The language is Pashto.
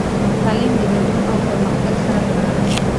تعلیم د ګډون او پرمختګ سره تړلی دی.